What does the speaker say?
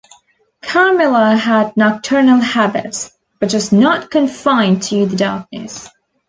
Carmilla had nocturnal habits, but was not confined to the darkness.